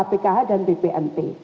bapak pkh dan bpnt